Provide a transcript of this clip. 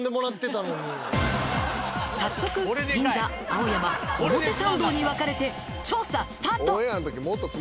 「早速銀座青山表参道に分かれて調査スタート」